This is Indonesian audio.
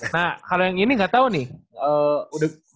nah kalau yang ini gak tau nih